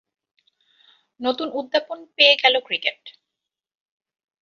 নতুন উদ্যাপন পেয়ে গেল ক্রিকেট।